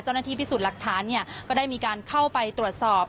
เจ้าหน้าที่พิสูจน์หลักฐานเนี่ยก็ได้มีการเข้าไปตรวจสอบ